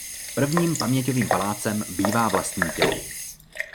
Prvním paměťovým palácem bývá vlastní tělo.